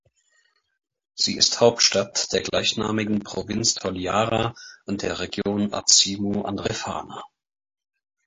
Sie ist Hauptstadt der gleichnamigen Provinz Toliara und der Region Atsimo-Andrefana.